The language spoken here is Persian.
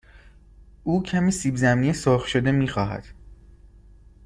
او کمی سیب زمینی سرخ شده می خواهد.